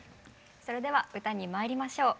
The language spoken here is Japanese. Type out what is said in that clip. それでは歌にまいりましょう。